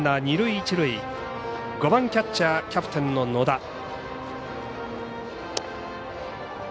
５番キャッチャーキャプテンの野田。